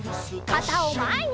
かたをまえに！